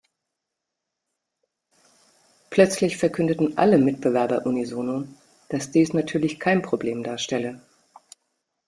Plötzlich verkündeten alle Mitbewerber unisono, dass dies natürlich kein Problem darstelle.